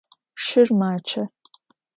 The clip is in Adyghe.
Şşır maççe.